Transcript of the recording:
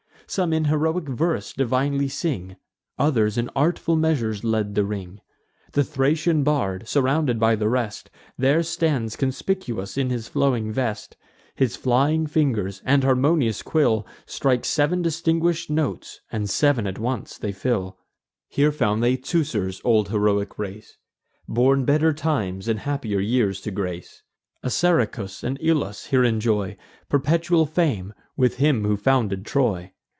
Some in heroic verse divinely sing; Others in artful measures led the ring. The Thracian bard, surrounded by the rest, There stands conspicuous in his flowing vest; His flying fingers, and harmonious quill, Strikes sev'n distinguish'd notes, and sev'n at once they fill. Here found they Teucer's old heroic race, Born better times and happier years to grace. Assaracus and Ilus here enjoy Perpetual fame, with him who founded Troy.